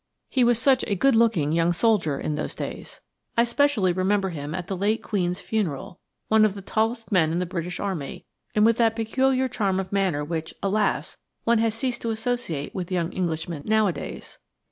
He was such a good looking young soldier in those days. I specially remember him at the late Queen's funeral–one of the tallest men in the British Army, and with that peculiar charm of manner which, alas! one has ceased to associate with young Englishmen nowadays.